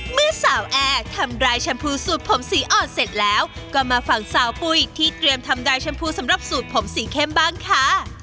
เมื่อสาวแอร์ทำรายแชมพูสูตรผมสีอ่อนเสร็จแล้วก็มาฝั่งสาวปุ้ยที่เตรียมทำรายแชมพูสำหรับสูตรผมสีเข้มบ้างค่ะ